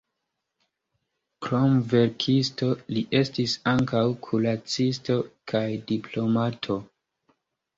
Krom verkisto, li estis ankaŭ kuracisto kaj diplomato.